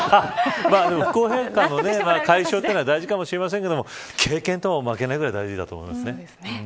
不公平感の解消は大事かもしれませんが経験も負けないぐらい大事だと思いますね。